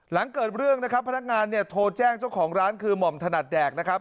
หลังเกิดเรื่องนะครับพนักงานเนี่ยโทรแจ้งเจ้าของร้านคือหม่อมถนัดแดกนะครับ